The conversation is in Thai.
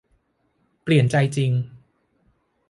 เปลี่ยนใจจริง